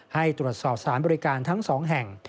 ให้ตรวจสอบสารบริการทั้ง๒แห่ง